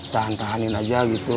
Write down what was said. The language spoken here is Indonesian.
tahan tahanin aja gitu